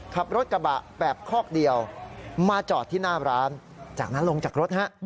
ขับรถกระบะแบบคอกเดียวมาจอดที่หน้าร้านจากนั้นลงจากรถฮะ